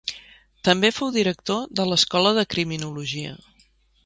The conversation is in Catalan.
També fou director de l'Escola de Criminologia.